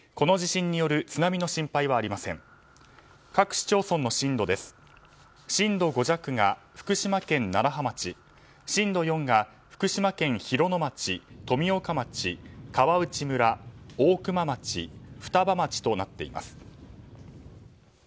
震度５弱が福島県楢葉町震度４が福島県広野町、富岡町川内村、大熊町、双葉町となっています。